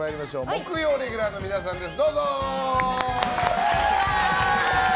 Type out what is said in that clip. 木曜レギュラーの皆さんです。